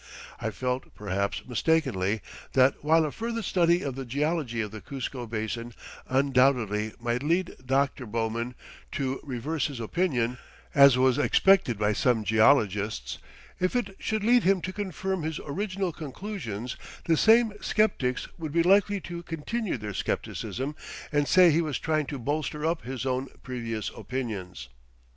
I felt, perhaps mistakenly, that while a further study of the geology of the Cuzco Basin undoubtedly might lead Dr. Bowman to reverse his opinion, as was expected by some geologists, if it should lead him to confirm his original conclusions the same skeptics would be likely to continue their skepticism and say he was trying to bolster up his own previous opinions.